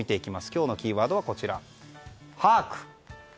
今日のキーワードはハアク。